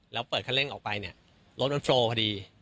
แล้วเปิดคันเร่งออกไปเนี่ยรถมันโฟลพอดี